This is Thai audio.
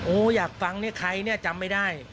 อยากฟังเนี่ยใครเนี่ยจำไม่ได้